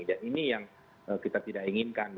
ini yang kita tidak inginkan